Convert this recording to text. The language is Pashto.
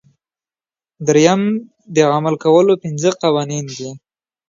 دریم د عمل کولو پنځه قوانین دي.